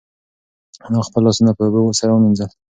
انا خپل لاسونه په اوبو سره ومینځل.